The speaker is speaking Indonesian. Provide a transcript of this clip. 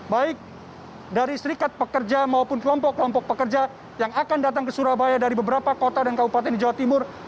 baik dari serikat pekerja maupun kelompok kelompok pekerja yang akan datang ke surabaya dari beberapa kota dan kabupaten di jawa timur